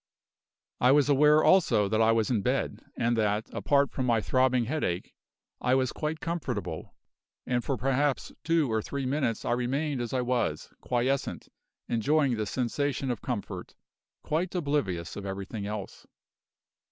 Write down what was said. I was aware also that I was in bed, and that, apart from my throbbing headache, I was quite comfortable; and for perhaps two or three minutes I remained as I was, quiescent, enjoying the sensation of comfort, quite oblivious of everything else.